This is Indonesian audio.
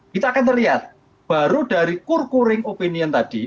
kita akan terlihat baru dari kurkuring opinion tadi